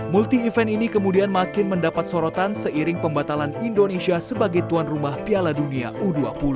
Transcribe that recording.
multi event ini kemudian makin mendapat sorotan seiring pembatalan indonesia sebagai tuan rumah piala dunia u dua puluh